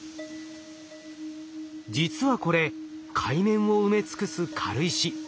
実はこれ海面を埋め尽くす軽石。